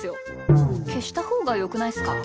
けしたほうがよくないっすか？